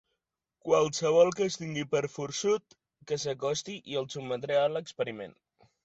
Qualsevol que es tingui per forçut que s'acosti i el sotmetré a l'experiment.